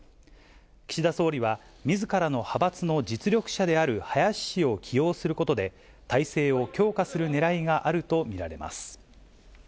岸田総理は、みずからの派閥の実力者である林氏を起用することで、体制を強化するねらいがあると見られます。